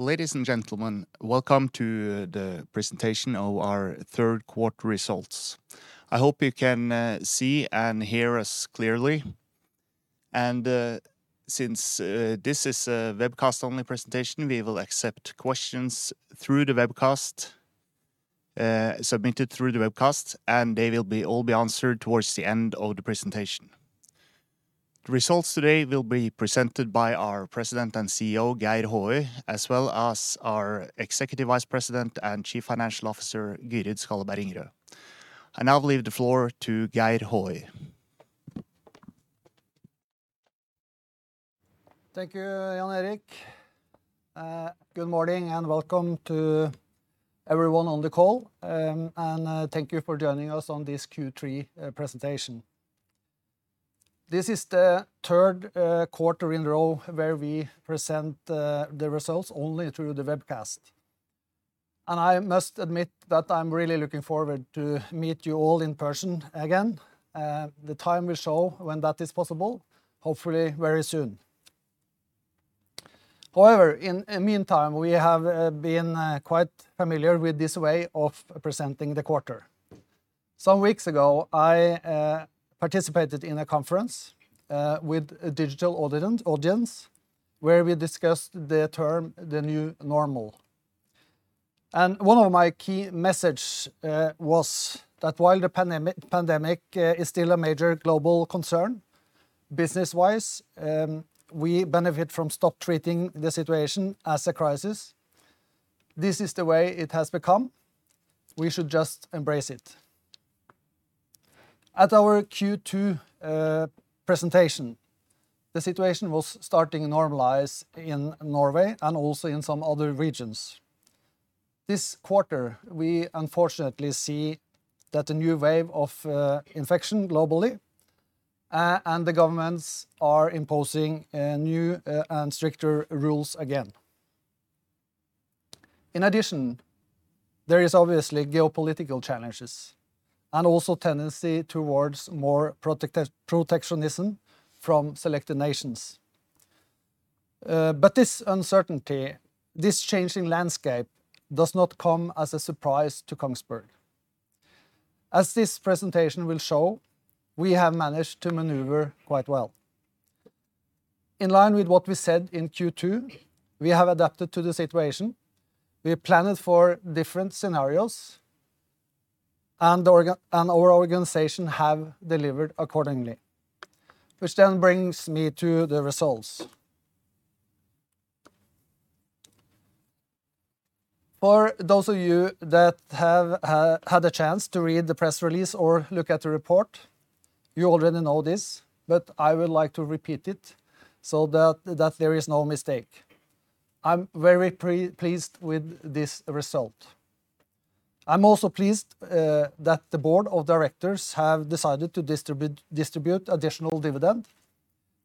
Ladies and gentlemen, welcome to the presentation of our third quarter results. I hope you can see and hear us clearly. Since this is a webcast-only presentation, we will accept questions submitted through the webcast, and they will all be answered towards the end of the presentation. The results today will be presented by our President and CEO, Geir Håøy, as well as our Executive Vice President and Chief Financial Officer, Gyrid Skalleberg Ingerø. I now leave the floor to Geir Håøy. Thank you, Jan-Erik. Good morning, and welcome to everyone on the call. Thank you for joining us on this Q3 presentation. This is the third quarter in a row where we present the results only through the webcast. I must admit that I'm really looking forward to meet you all in person again. The time will show when that is possible, hopefully very soon. However, in meantime, we have been quite familiar with this way of presenting the quarter. Some weeks ago, I participated in a conference with a digital audience, where we discussed the term "the new normal." One of my key message was that while the pandemic is still a major global concern, business-wise, we benefit from stop treating the situation as a crisis. This is the way it has become. We should just embrace it. At our Q2 presentation, the situation was starting to normalize in Norway and also in some other regions. This quarter, we unfortunately see that a new wave of infection globally, and the governments are imposing new and stricter rules again. In addition, there is obviously geopolitical challenges, and also tendency towards more protectionism from selected nations. This uncertainty, this changing landscape, does not come as a surprise to Kongsberg. As this presentation will show, we have managed to maneuver quite well. In line with what we said in Q2, we have adapted to the situation. We have planned it for different scenarios and our organization have delivered accordingly, which then brings me to the results. For those of you that have had a chance to read the press release or look at the report, you already know this, but I would like to repeat it so that there is no mistake. I'm very pleased with this result. I'm also pleased that the board of directors have decided to distribute additional dividend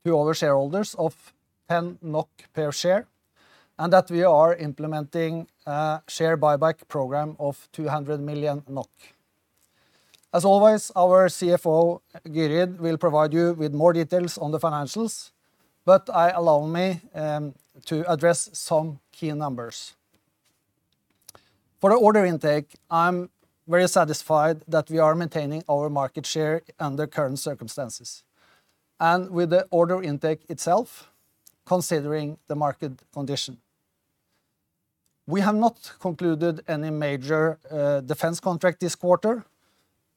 to all the shareholders of 10 NOK per share, and that we are implementing a share buyback program of 200 million NOK. As always, our CFO, Gyrid, will provide you with more details on the financials, but allow me to address some key numbers. For the order intake, I'm very satisfied that we are maintaining our market share under current circumstances and with the order intake itself, considering the market condition. We have not concluded any major defense contract this quarter,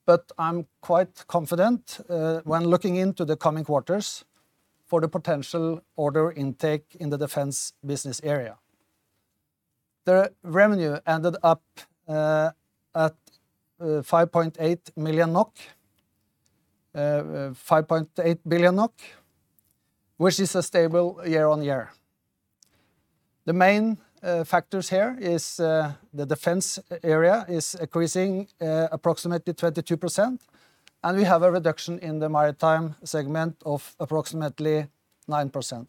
but I'm quite confident when looking into the coming quarters for the potential order intake in the defense business area. The revenue ended up at 5.8 billion NOK, which is a stable year-on-year. The main factors here is the defense area is increasing approximately 22%, and we have a reduction in the Maritime segment of approximately 9%.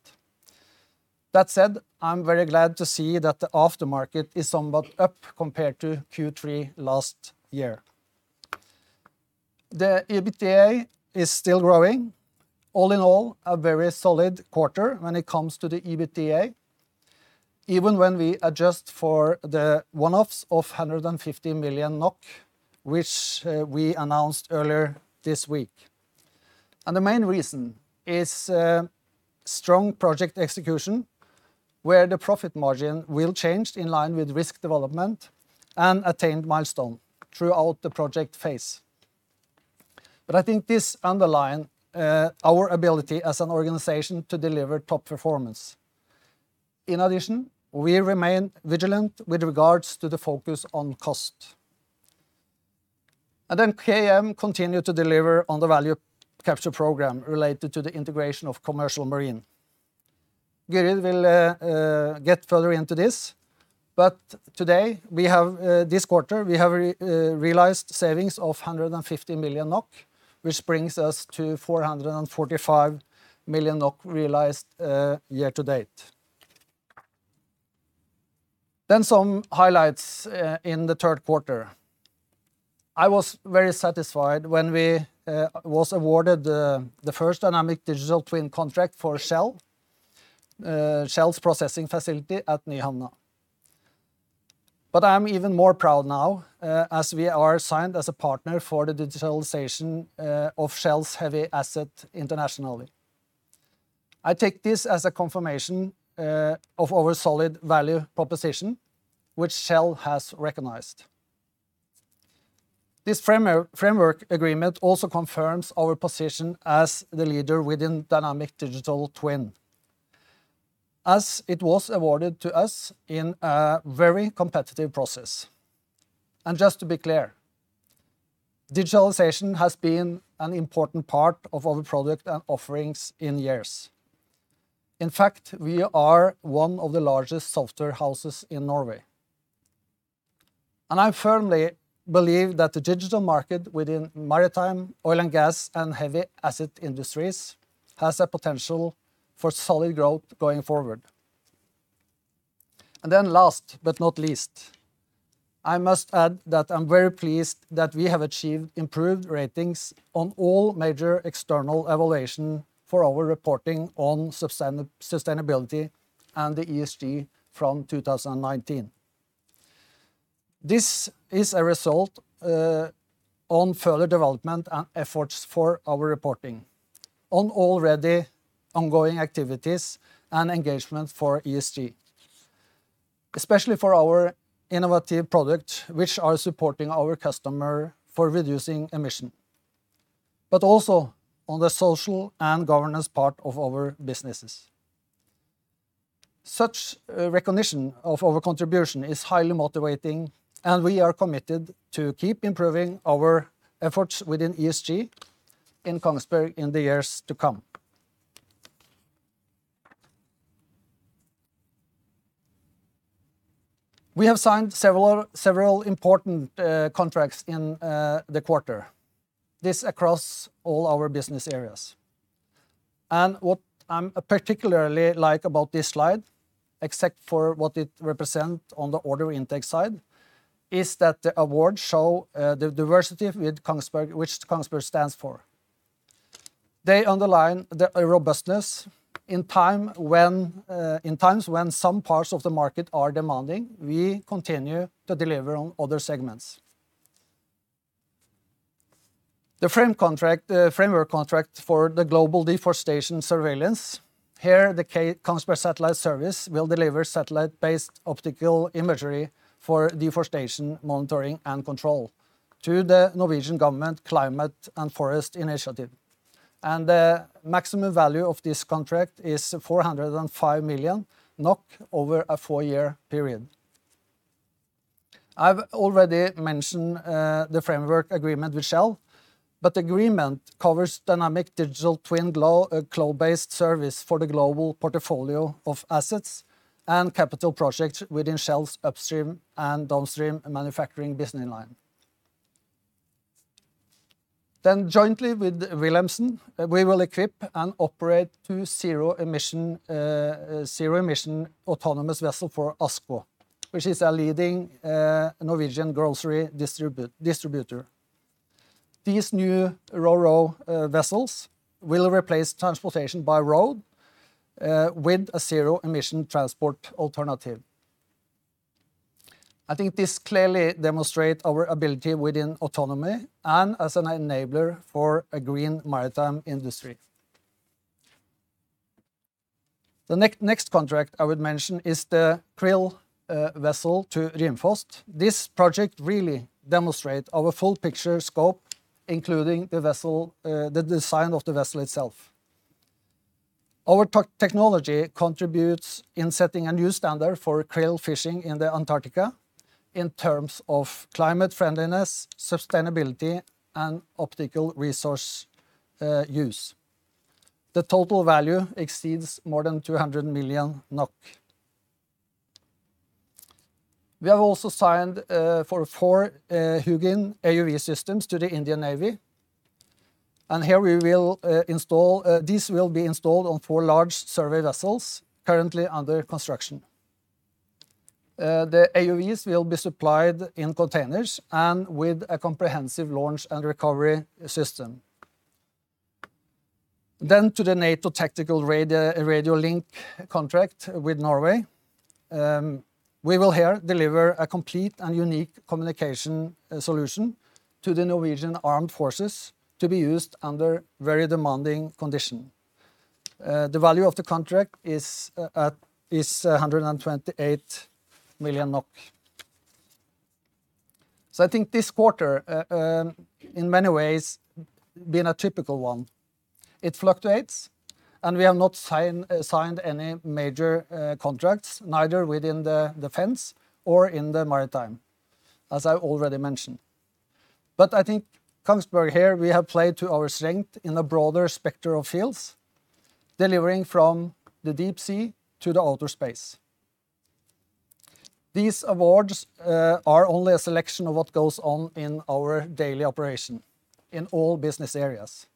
That said, I'm very glad to see that the aftermarket is somewhat up compared to Q3 last year. The EBITDA is still growing. All in all, a very solid quarter when it comes to the EBITDA, even when we adjust for the one-offs of 150 million NOK, which we announced earlier this week. The main reason is strong project execution, where the profit margin will change in line with risk development and attained milestone throughout the project phase. I think this underlines our ability as an organization to deliver top performance. In addition, we remain vigilant with regards to the focus on cost. KM continued to deliver on the value capture program related to the integration of Commercial Marine. Gyrid will get further into this, but this quarter, we have realized savings of 150 million NOK, which brings us to 445 million NOK realized year to date. Some highlights in the third quarter. I was very satisfied when we were awarded the first dynamic digital twin contract for Shell's processing facility at Nyhamna. I'm even more proud now, as we are signed as a partner for the digitalization of Shell's heavy asset internationally. I take this as a confirmation of our solid value proposition, which Shell has recognized. This framework agreement also confirms our position as the leader within dynamic digital twin, as it was awarded to us in a very competitive process. Just to be clear, digitalization has been an important part of our product and offerings in years. In fact, we are one of the largest software houses in Norway. I firmly believe that the digital market within Maritime oil and gas and heavy asset industries has a potential for solid growth going forward. Last but not least, I must add that I'm very pleased that we have achieved improved ratings on all major external evaluation for our reporting on sustainability and the ESG from 2019. This is a result on further development and efforts for our reporting on already ongoing activities and engagement for ESG, especially for our innovative products, which are supporting our customer for reducing emission, but also on the social and governance part of our businesses. Such recognition of our contribution is highly motivating and we are committed to keep improving our efforts within ESG in Kongsberg in the years to come. We have signed several important contracts in the quarter. This across all our business areas. What I particularly like about this slide, except for what it represent on the order intake side, is that the awards show the diversity which Kongsberg stands for. They underline the robustness in times when some parts of the market are demanding, we continue to deliver on other segments. The framework contract for the global deforestation surveillance. Here, the Kongsberg Satellite Services will deliver satellite-based optical imagery for deforestation monitoring and control to the Norwegian government climate and forest initiative, the maximum value of this contract is 405 million NOK over a four year period. I've already mentioned the framework agreement with Shell, agreement covers dynamic digital twin cloud-based service for the global portfolio of assets and capital projects within Shell's upstream and downstream manufacturing business line. Jointly with Wilhelmsen, we will equip and operate two zero-emission autonomous vessel for ASKO, which is a leading Norwegian grocery distributor. These new RoRo vessels will replace transportation by road, with a zero-emission transport alternative. I think this clearly demonstrate our ability within autonomy and as an enabler for a green maritime industry. The next contract I would mention is the krill vessel to Rimfrost. This project really demonstrates our full picture scope, including the design of the vessel itself. Our technology contributes in setting a new standard for krill fishing in Antarctica in terms of climate friendliness, sustainability and optimal resource use. The total value exceeds more than 200 million NOK. We have also signed for four HUGIN AUV systems to the Indian Navy, and these will be installed on four large survey vessels currently under construction. The AUVs will be supplied in containers and with a comprehensive launch and recovery system. To the NATO tactical radio link contract with Norway. We will here deliver a complete and unique communication solution to the Norwegian Armed Forces to be used under very demanding conditions. The value of the contract is 128 million NOK. I think this quarter, in many ways has been a typical one. It fluctuates, and we have not signed any major contracts, neither within the Defense or in the Maritime, as I already mentioned. I think Kongsberg here, we have played to our strength in a broader spectrum of fields, delivering from the deep sea to the outer space. These awards are only a selection of what goes on in our daily operation in all business areas.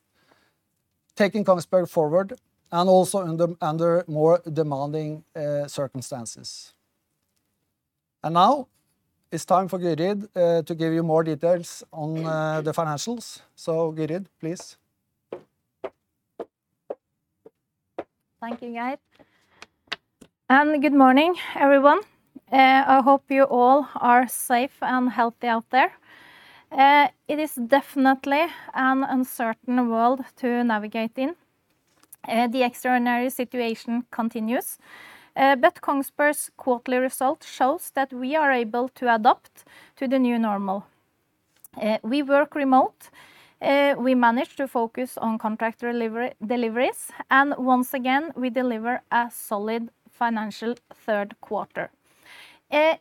Taking Kongsberg forward and also under more demanding circumstances. Now it's time for Gyrid to give you more details on the financials. Gyrid, please. Thank you, Geir. Good morning, everyone. I hope you all are safe and healthy out there. It is definitely an uncertain world to navigate in. The extraordinary situation continues. Kongsberg's quarterly results shows that we are able to adapt to the new normal. We work remote. We manage to focus on contract deliveries. Once again, we deliver a solid financial third quarter.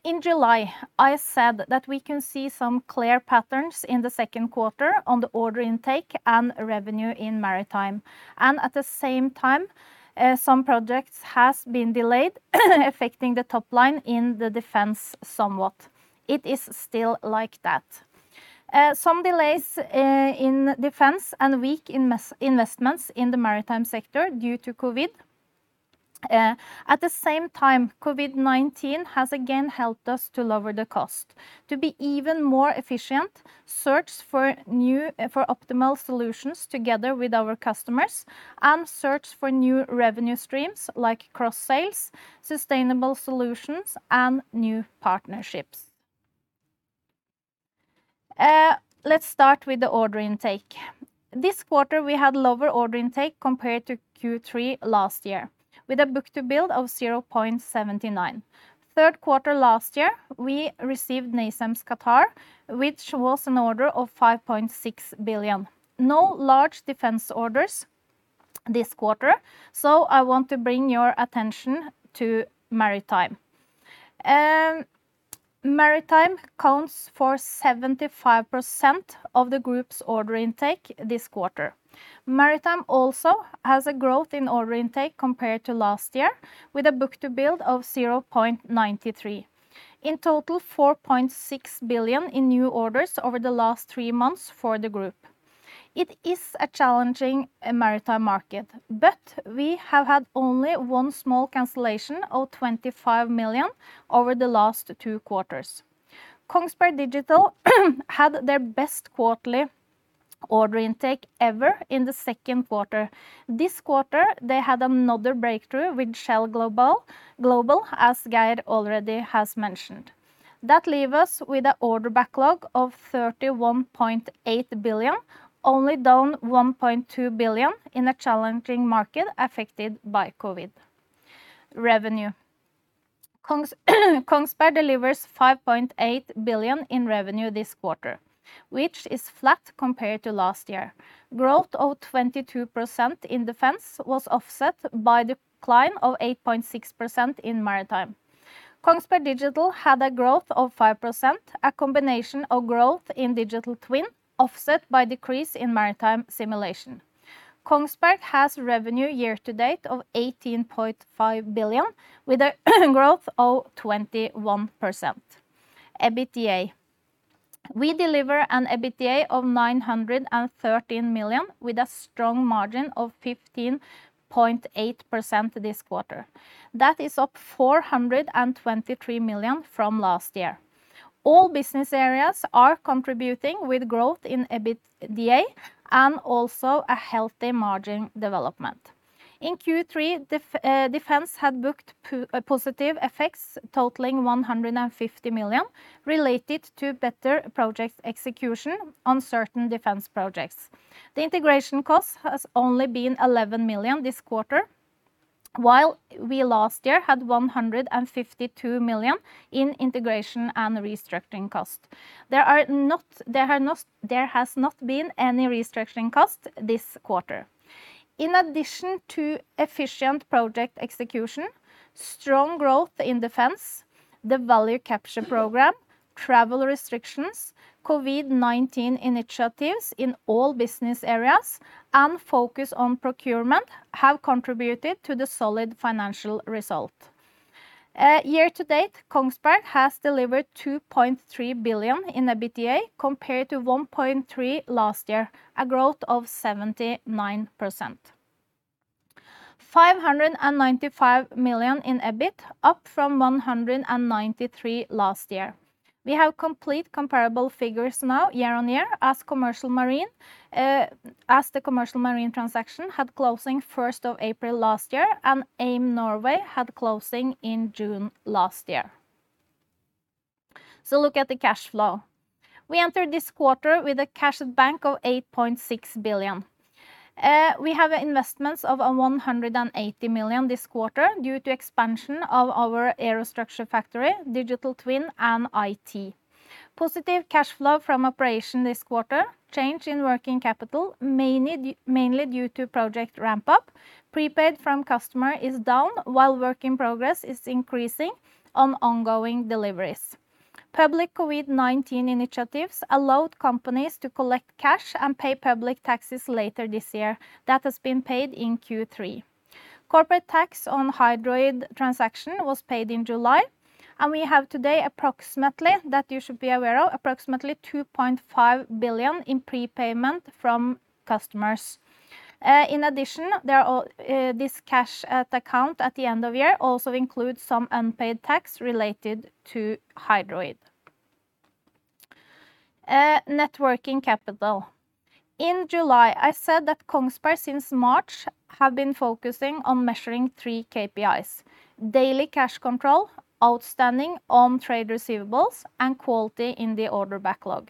In July, I said that we can see some clear patterns in the second quarter on the order intake and revenue in Maritime. At the same time, some projects has been delayed affecting the top line in the Defense somewhat. It is still like that. Some delays in Defense and weak investments in the Maritime sector due to COVID. At the same time, COVID-19 has again helped us to lower the cost, to be even more efficient, search for optimal solutions together with our customers, and search for new revenue streams like cross-sales, sustainable solutions, and new partnerships. Let's start with the order intake. This quarter, we had lower order intake compared to Q3 last year, with a book-to-bill of 0.79. Third quarter last year, we received NASAMS Qatar, which was an order of 5.6 billion. No large defense orders this quarter. I want to bring your attention to Maritime. Maritime accounts for 75% of the groups order intake this quarter. Maritime also has a growth in order intake compared to last year, with a book-to-bill of 0.93. In total, 4.6 billion in new orders over the last three months for the group. It is a challenging maritime market. We have had only one small cancellation of 25 million over the last two quarters. Kongsberg Digital had their best quarterly order intake ever in the second quarter. This quarter, they had another breakthrough with Shell Global, as Geir already has mentioned. That leave us with an order backlog of 31.8 billion, only down 1.2 billion in a challenging market affected by COVID. Revenue. Kongsberg delivers 5.8 billion in revenue this quarter, which is flat compared to last year. Growth of 22% in Defense was offset by decline of 8.6% in Maritime. Kongsberg Digital had a growth of 5%, a combination of growth in Digital Twin offset by decrease in Maritime Simulation. Kongsberg has revenue year to date of 18.5 billion, with a growth of 21%. EBITDA. We deliver an EBITDA of 913 million with a strong margin of 15.8% this quarter. That is up 423 million from last year. All business areas are contributing with growth in EBITDA and also a healthy margin development. In Q3, Defense had booked positive effects totaling 150 million related to better project execution on certain Defense projects. The integration cost has only been 11 million this quarter, while we last year had 152 million in integration and restructuring cost. There has not been any restructuring cost this quarter. In addition to efficient project execution, strong growth in Defense, the value capture program, travel restrictions, COVID-19 initiatives in all business areas, and focus on procurement have contributed to the solid financial result. Year to date, Kongsberg has delivered 2.3 billion in EBITDA compared to 1.3 billion last year, a growth of 79%. 595 million in EBIT, up from 193 million last year. We have complete comparable figures now year-on-year as the Commercial Marine transaction had closing 1st of April last year, and AIM Norway had closing in June last year. Look at the cash flow. We entered this quarter with a cash at bank of 8.6 billion. We have investments of 180 million this quarter due to expansion of our aerostructure factory, Digital Twin, and IT. Positive cash flow from operation this quarter. Change in working capital mainly due to project ramp-up. Prepaid from customer is down while work in progress is increasing on ongoing deliveries. Public COVID-19 initiatives allowed companies to collect cash and pay public taxes later this year. That has been paid in Q3. Corporate tax on the Hydroid transaction was paid in July. We have today, that you should be aware of, approximately 2.5 billion in prepayment from customers. In addition, this cash account at the end of year also includes some unpaid tax related to Hydroid. Net working capital. In July, I said that Kongsberg, since March, have been focusing on measuring three KPIs, daily cash control, outstanding on trade receivables, and quality in the order backlog.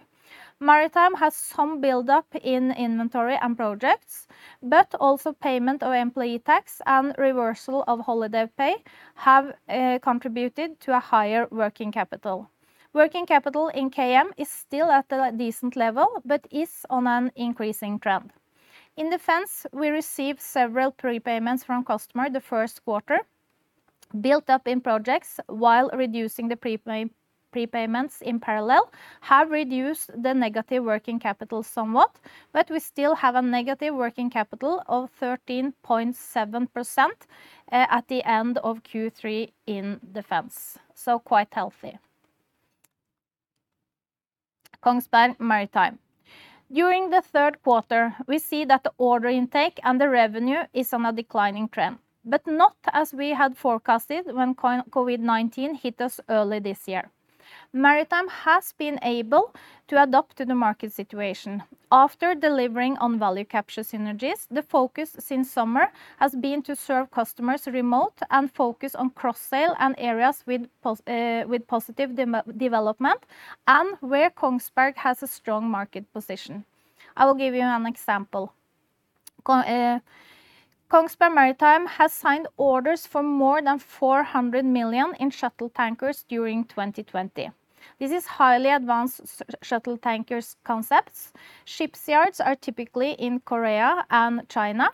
Maritime has some buildup in inventory and projects, but also payment of employee tax and reversal of holiday pay have contributed to a higher working capital. Working capital in KM is still at a decent level, but is on an increasing trend. In Defense, we received several prepayments from customer the first quarter, built up in projects while reducing the prepayments in parallel, have reduced the negative working capital somewhat, but we still have a negative working capital of 13.7% at the end of Q3 in Defense. Quite healthy. Kongsberg Maritime. During the third quarter, we see that the order intake and the revenue is on a declining trend, not as we had forecasted when COVID-19 hit us early this year. Maritime has been able to adapt to the market situation. After delivering on value capture synergies, the focus since summer has been to serve customers remote and focus on cross-sale and areas with positive development and where Kongsberg has a strong market position. I will give you an example. Kongsberg Maritime has signed orders for more than 400 million in shuttle tankers during 2020. This is highly advanced shuttle tankers concepts. Shipyards are typically in Korea and China.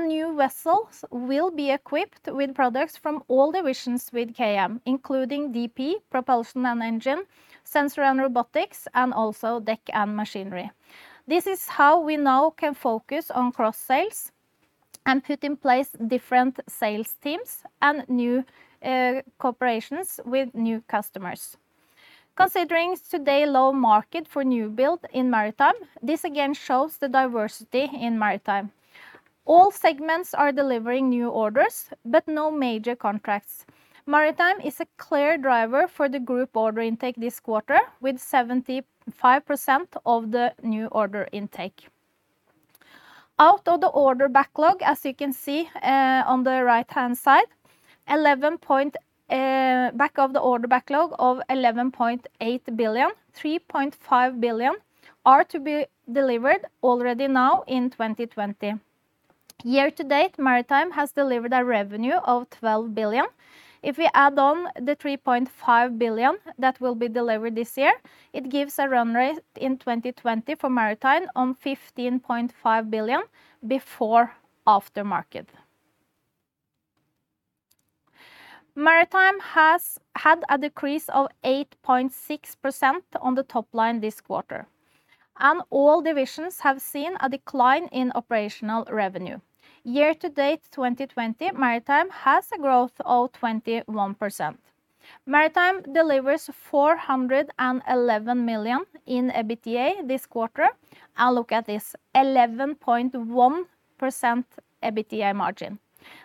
New vessels will be equipped with products from all divisions with KM, including DP, propulsion and engine, sensor and robotics, and also deck and machinery. This is how we now can focus on cross-sales and put in place different sales teams and new cooperations with new customers. Considering today low market for new build in Maritime, this again shows the diversity in Maritime. All segments are delivering new orders, no major contracts. Maritime is a clear driver for the group order intake this quarter, with 75% of the new order intake. Out of the order backlog, as you can see on the right-hand side, backlog of 11.8 billion, 3.5 billion are to be delivered already now in 2020. Year to date, Maritime has delivered a revenue of 12 billion. If we add on the 3.5 billion that will be delivered this year, it gives a run rate in 2020 for Maritime on 15.5 billion before aftermarket. Maritime has had a decrease of 8.6% on the top line this quarter. All divisions have seen a decline in operational revenue. Year to date 2020, Maritime has a growth of 21%. Maritime delivers 411 million in EBITDA this quarter, and look at this, 11.1% EBITDA margin.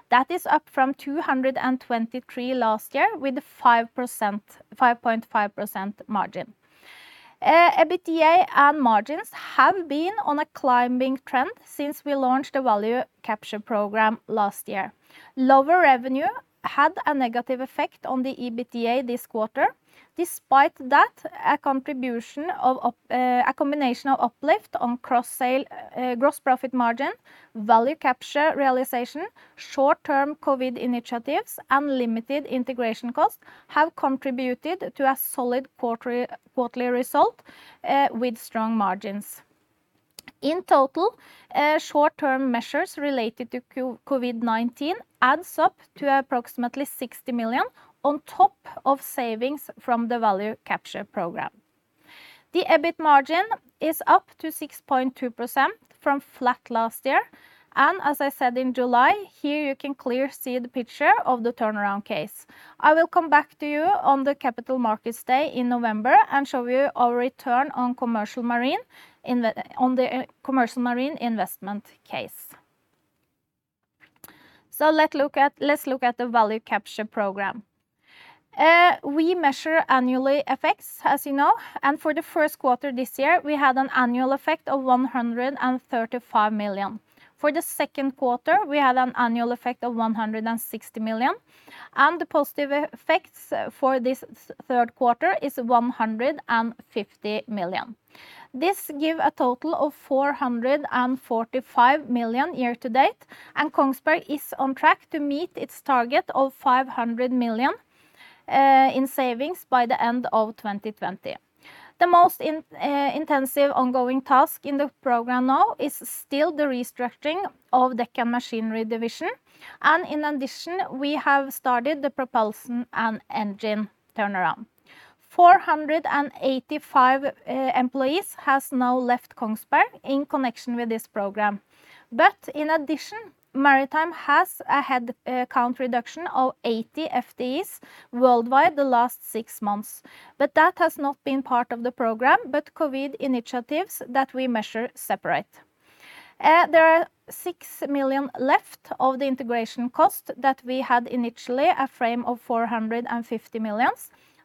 That is up from 223 million last year with 5.5% margin. EBITDA and margins have been on a climbing trend since we launched the Value Capture Program last year. Lower revenue had a negative effect on the EBITDA this quarter. Despite that, a combination of uplift on gross profit margin, Value Capture realization, short-term COVID-19 initiatives, and limited integration costs have contributed to a solid quarterly result with strong margins. In total, short-term measures related to COVID-19 adds up to approximately 60 million on top of savings from the Value Capture Program. The EBIT margin is up to 6.2% from flat last year. As I said in July, here you can clearly see the picture of the turnaround case. I will come back to you on the Capital Markets Day in November and show you our return on the Commercial Marine investment case. Let's look at the value capture program. We measure annually effects, as you know. For the first quarter this year, we had an annual effect of 135 million. For the second quarter, we had an annual effect of 160 million. The positive effects for this third quarter is 150 million. This gives a total of 445 million year to date. Kongsberg is on track to meet its target of 500 million in savings by the end of 2020. The most intensive ongoing task in the program now is still the restructuring of the Deck Machinery division. In addition, we have started the propulsion and engine turnaround. 485 employees have now left Kongsberg in connection with this program. In addition, Maritime has a headcount reduction of 80 FTEs worldwide the last six months. That has not been part of the program, but COVID initiatives that we measure separate. There are 6 million left of the integration cost that we had initially a frame of 450 million.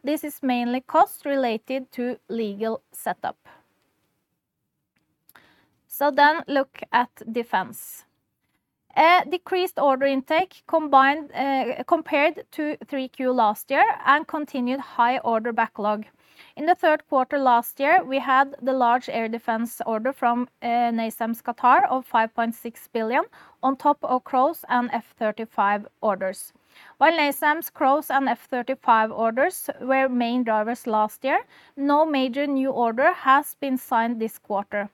This is mainly cost related to legal setup. Look at Defense. A decreased order intake compared to Q3 last year and continued high order backlog. In the third quarter last year, we had the large air defense order from NASAMS Qatar of 5.6 billion on top of CROWS and F-35 orders. While NASAMS, CROWS, and F-35 orders were main drivers last year, no major new order has been signed this quarter.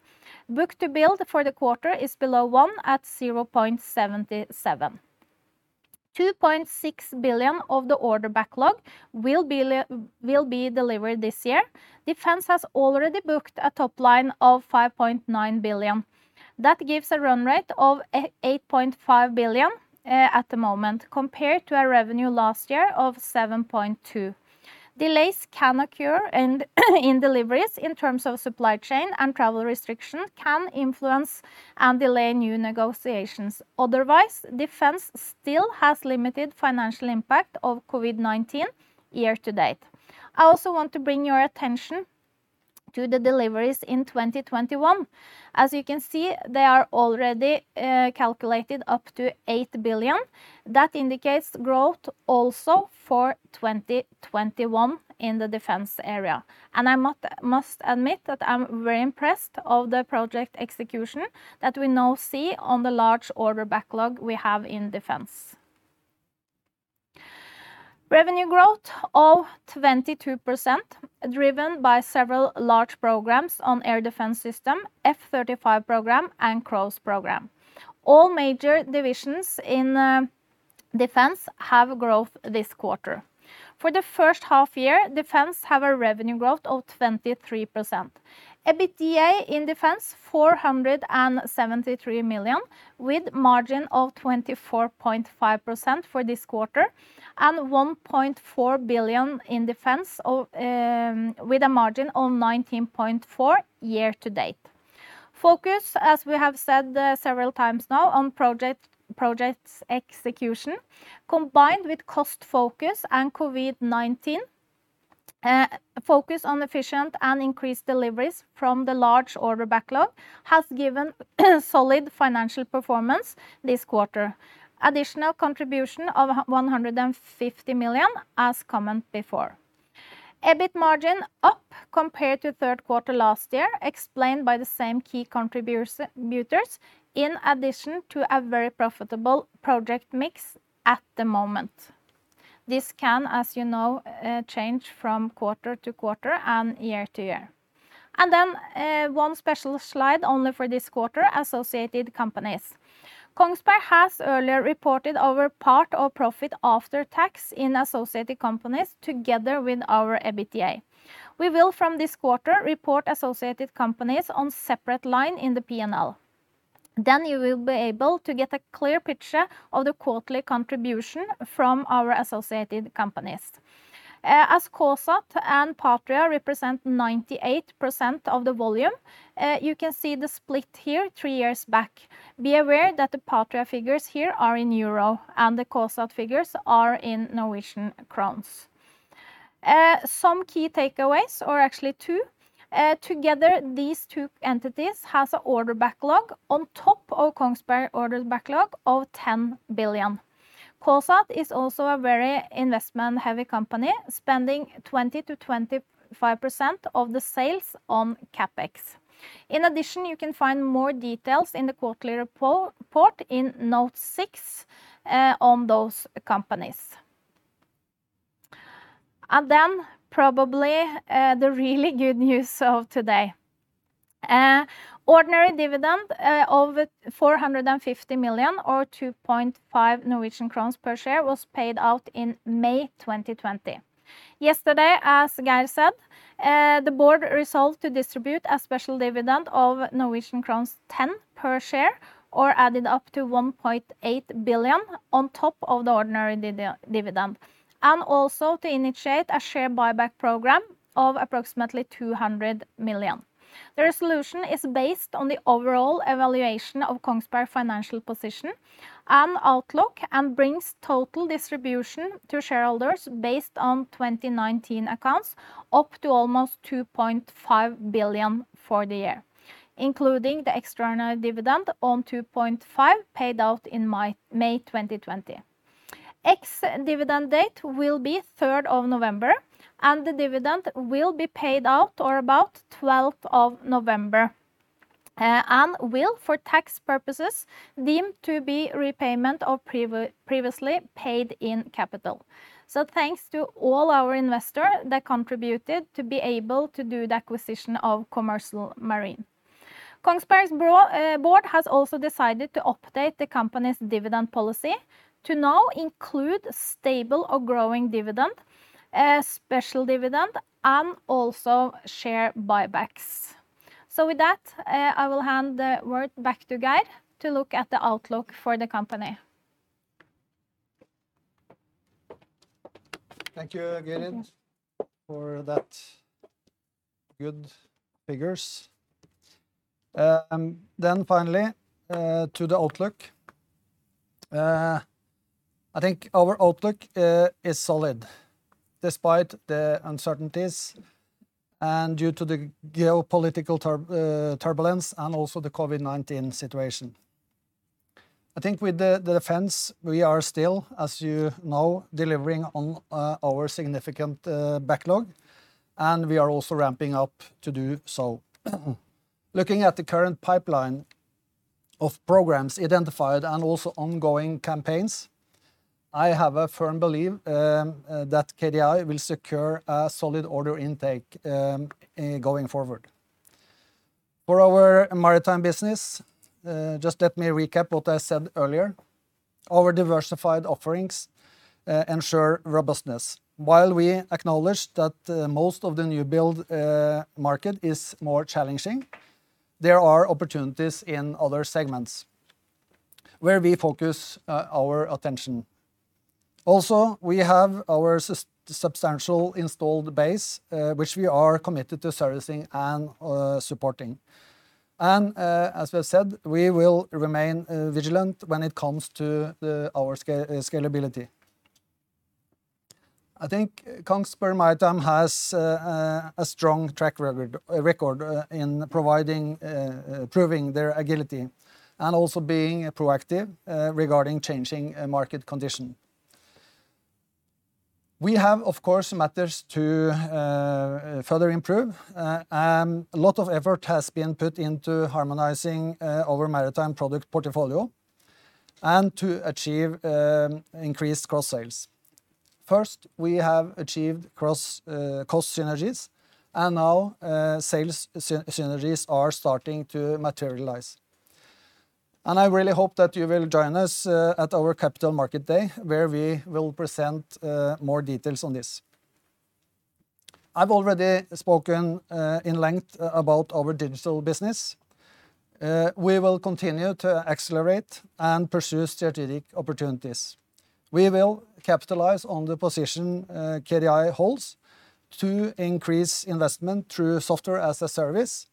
Book-to-bill for the quarter is below one at 0.77. 2.6 billion of the order backlog will be delivered this year. Defense has already booked a top line of 5.9 billion. That gives a run rate of 8.5 billion at the moment compared to our revenue last year of 7.2 billion. Delays can occur in deliveries in terms of supply chain and travel restriction can influence and delay new negotiations. Otherwise, Defense still has limited financial impact of COVID-19 year to date. I also want to bring your attention to the deliveries in 2021. As you can see, they are already calculated up to 8 billion. That indicates growth also for 2021 in the Defense area. I must admit that I'm very impressed of the project execution that we now see on the large order backlog we have in Defense. Revenue growth of 22% driven by several large programs on air defense system, F-35 program, and CROWS program. All major divisions in Defense have growth this quarter. For the first half year, Defense have a revenue growth of 23%. EBITDA in Defense, 473 million with margin of 24.5% for this quarter and 1.4 billion in Defense with a margin of 19.4% year to date. Focus, as we have said several times now on projects execution, combined with cost focus and COVID-19, focus on efficient and increased deliveries from the large order backlog has given solid financial performance this quarter. Additional contribution of 150 million as comment before. EBIT margin up compared to third quarter last year explained by the same key contributors in addition to a very profitable project mix at the moment. This can, as you know, change from quarter to quarter and year to year. One special slide only for this quarter, associated companies. Kongsberg has earlier reported our part of profit after tax in associated companies together with our EBITDA. We will from this quarter report associated companies on separate line in the P&L. You will be able to get a clear picture of the quarterly contribution from our associated companies. As KSAT and Patria represent 98% of the volume, you can see the split here three years back. Be aware that the Patria figures here are in euro and the KSAT figures are in Norwegian Krones. Some key takeaways are actually two. Together, these two entities have an order backlog on top of Kongsberg order backlog of 10 billion. KSAT is also a very investment-heavy company, spending 20%-25% of the sales on CapEx. You can find more details in the quarterly report in note six on those companies. Probably the really good news of today. Ordinary dividend of 450 million or 2.5 Norwegian crowns per share was paid out in May 2020. Yesterday, as Geir said, the board resolved to distribute a special dividend of Norwegian crowns 10 per share or added up to 1.8 billion on top of the ordinary dividend, and also to initiate a share buyback program of approximately 200 million. The resolution is based on the overall evaluation of Kongsberg financial position and outlook and brings total distribution to shareholders based on 2019 accounts up to almost 2.5 billion for the year, including the extraordinary dividend on 2.5 paid out in May 2020. Ex-dividend date will be 3rd of November, the dividend will be paid out or about 12th of November. It will for tax purposes deemed to be repayment of previously paid in capital. Thanks to all our investor that contributed to be able to do the acquisition of Commercial Marine. Kongsberg's board has also decided to update the company's dividend policy to now include stable or growing dividend, a special dividend, and also share buybacks. With that, I will hand the word back to Geir to look at the outlook for the company. Thank you, Gyrid, for that good figures. Finally, to the outlook. I think our outlook is solid despite the uncertainties and due to the geopolitical turbulence and also the COVID-19 situation. I think with the Defense, we are still, as you know, delivering on our significant backlog, and we are also ramping up to do so. Looking at the current pipeline of programs identified and also ongoing campaigns, I have a firm belief that KDI will secure a solid order intake going forward. For our Maritime business, just let me recap what I said earlier. Our diversified offerings ensure robustness. While we acknowledge that most of the new build market is more challenging, there are opportunities in other segments where we focus our attention. We have our substantial installed base, which we are committed to servicing and supporting. As we have said, we will remain vigilant when it comes to our scalability. I think Kongsberg Maritime has a strong track record in proving their agility and also being proactive regarding changing market condition. We have, of course, matters to further improve. A lot of effort has been put into harmonizing our Maritime product portfolio and to achieve increased cross-sales. First, we have achieved cross cost synergies and now sales synergies are starting to materialize. I really hope that you will join us at our Capital Markets Day where we will present more details on this. I've already spoken in length about our digital business. We will continue to accelerate and pursue strategic opportunities. We will capitalize on the position KDI holds to increase investment through software as a service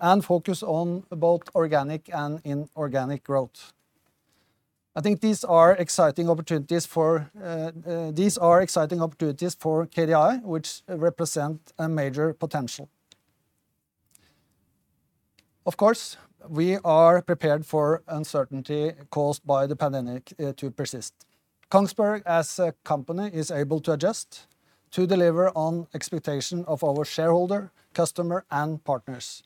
and focus on both organic and inorganic growth. I think these are exciting opportunities for KDI, which represent a major potential. Of course, we are prepared for uncertainty caused by the pandemic to persist. Kongsberg as a company is able to adjust to deliver on expectation of our shareholder, customer, and partners,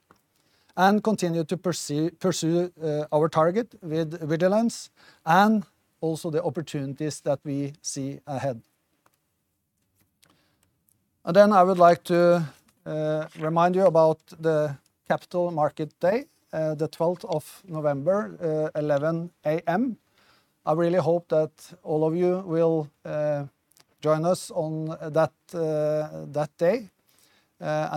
and continue to pursue our target with vigilance and also the opportunities that we see ahead. Then I would like to remind you about the Capital Markets Day, the 12th of November, 11:00 A.M. I really hope that all of you will join us on that day.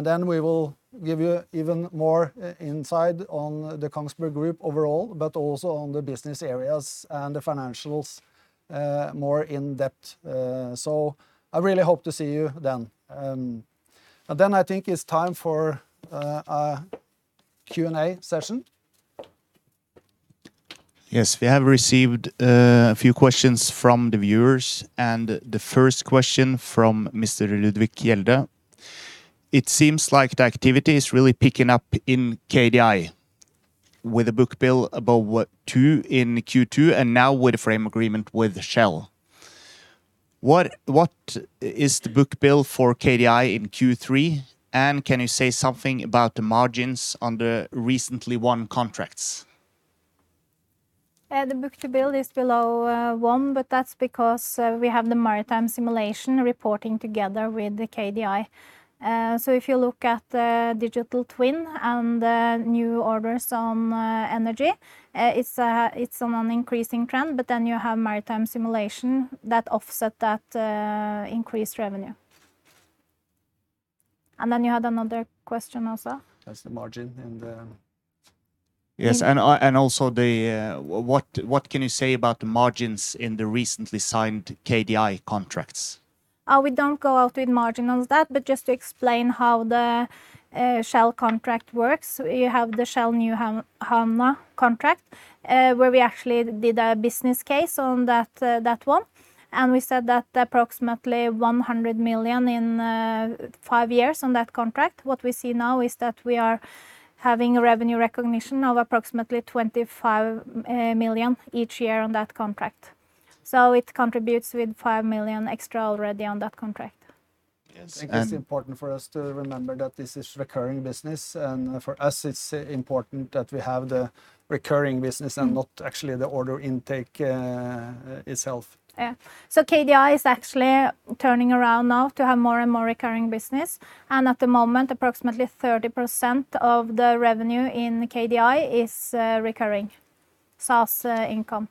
Then we will give you even more insight on the Kongsberg Gruppen overall, but also on the business areas and the financials, more in depth. I really hope to see you then. Then I think it's time for a Q&A session. Yes. We have received a few questions from the viewers, and the first question from Mr. Ludwig Gilda. "It seems like the activity is really picking up in KDI with a book-to-bill above two in Q2 and now with a frame agreement with Shell. What is the book-to-bill for KDI in Q3, and can you say something about the margins on the recently won contracts? The book-to-bill is below one. That's because we have the Maritime Simulation reporting together with the KDI. If you look at the Digital Twin and the new orders on energy, it's on an increasing trend. You have Maritime Simulation that offset that increased revenue. You had another question also? That's the margin and the. Yes, also what can you say about the margins in the recently signed KDI contracts? We don't go out with margin on that. Just to explain how the Shell contract works. You have the Shell Nyhamna contract, where we actually did a business case on that one. We said that approximately 100 million in five years on that contract. What we see now is that we are having a revenue recognition of approximately 25 million each year on that contract. It contributes with 5 million extra already on that contract. Yes. I think it's important for us to remember that this is recurring business, and for us it's important that we have the recurring business and not actually the order intake itself. KDI is actually turning around now to have more and more recurring business, and at the moment approximately 30% of the revenue in KDI is recurring SaaS income.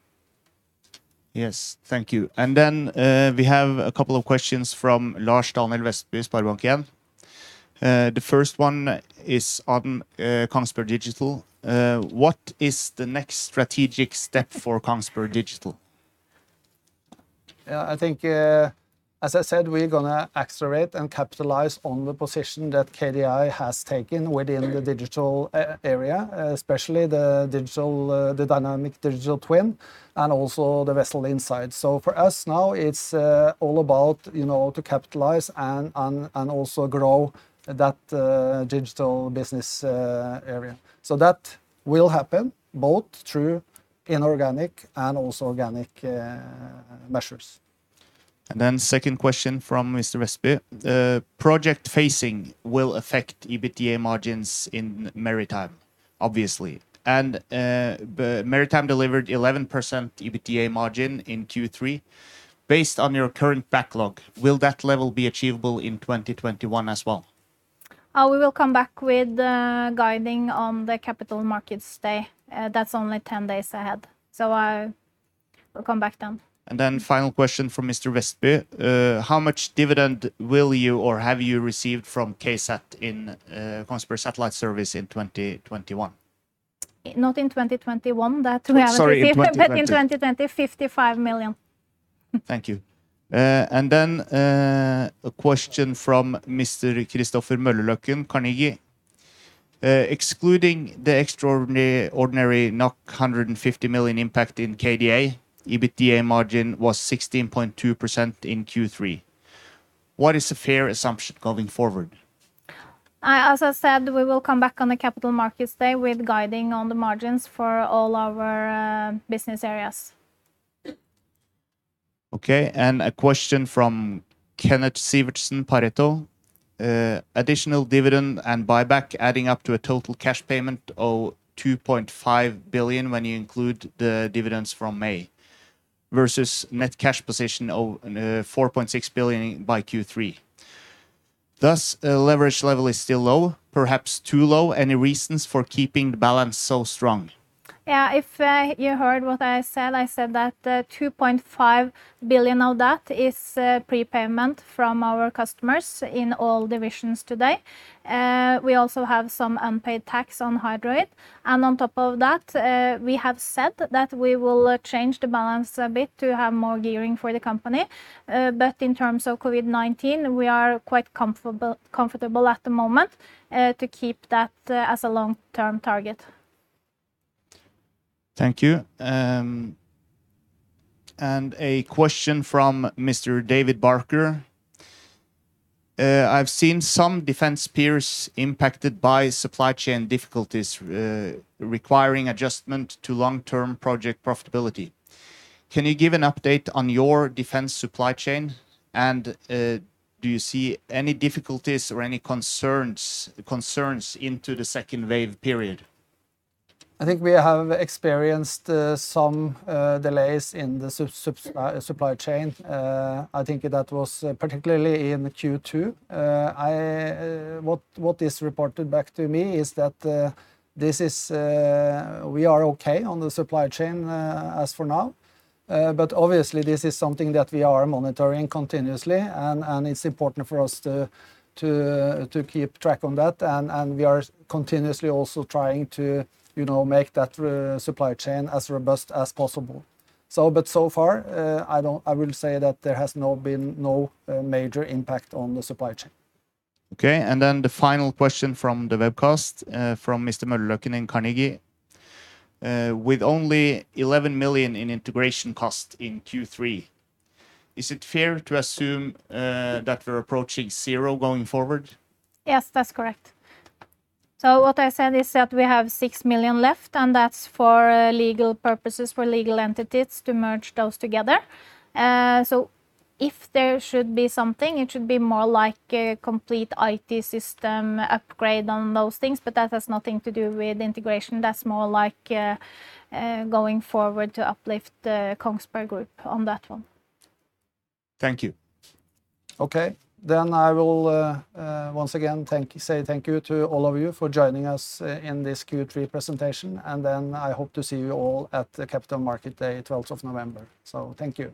Thank you. We have a couple of questions from Lars-Daniel Westby, SpareBank 1. The first one is on Kongsberg Digital. What is the next strategic step for Kongsberg Digital? Yeah, I think, as I said, we're going to accelerate and capitalize on the position that KDI has taken within the digital area, especially the Dynamic Digital Twin and also the Vessel Insight. For us now it's all about to capitalize and also grow that digital business area. That will happen both through inorganic and also organic measures. Second question from Mr. Westby. The project phasing will affect EBITDA margins in Maritime, obviously. Maritime delivered 11% EBITDA margin in Q3. Based on your current backlog, will that level be achievable in 2021 as well? We will come back with the guiding on the Capital Markets Day. That's only 10 days ahead, so we'll come back then. Final question from Mr. Westby. How much dividend will you or have you received from KSAT in Kongsberg Satellite Services in 2021? Not in 2021. Sorry, in 2020. in 2020, 55 million. Thank you. A question from Mr. Kristoffer Møllerløkken, Carnegie. Excluding the extraordinary 150 million impact in KDI, EBITDA margin was 16.2% in Q3. What is the fair assumption going forward? As I said, we will come back on the Capital Markets Day with guiding on the margins for all our business areas. Okay, a question from Kenneth Sivertsen, Pareto. Additional dividend and buyback adding up to a total cash payment of 2.5 billion when you include the dividends from May versus net cash position of 4.6 billion by Q3. Leverage level is still low, perhaps too low. Any reasons for keeping the balance so strong? If you heard what I said, I said that 2.5 billion of that is prepayment from our customers in all divisions today. We also have some unpaid tax on Hydroid, and on top of that we have said that we will change the balance a bit to have more gearing for the company. But in terms of COVID-19, we are quite comfortable at the moment to keep that as a long-term target. Thank you. A question from Mr. David Barker. I have seen some defense peers impacted by supply chain difficulties requiring adjustment to long-term project profitability. Can you give an update on your defense supply chain? Do you see any difficulties or any concerns into the second wave period? I think we have experienced some delays in the supply chain. I think that was particularly in Q2. What is reported back to me is that we are okay on the supply chain as for now. Obviously this is something that we are monitoring continuously and it's important for us to keep track on that and we are continuously also trying to make that supply chain as robust as possible. So far, I will say that there has been no major impact on the supply chain. Okay, the final question from the webcast from Mr. Møllerløkken in Carnegie. With only 11 million in integration cost in Q3, is it fair to assume that we're approaching zero going forward? Yes, that's correct. What I said is that we have 6 million left and that's for legal purposes, for legal entities to merge those together. If there should be something, it should be more like a complete IT system upgrade on those things, but that has nothing to do with integration. That's more like going forward to uplift the Kongsberg Gruppen on that one. Thank you. Okay. I will once again say thank you to all of you for joining us in this Q3 presentation. I hope to see you all at the Capital Markets Day 12th of November. Thank you.